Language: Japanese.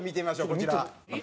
こちら。